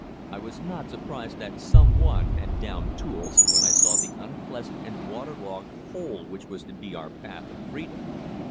I was not surprised that some one had downed tools, when I saw the unpleasant and water logged hole which was to be our path of freedom.